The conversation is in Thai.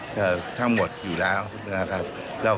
ส่วนเรื่องของการทำผิดนั่นก็เป็นเรื่องของการสอบสวน